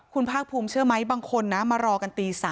คุณภาคภูมิเชื่อไหมบางคนนะมารอกันตี๓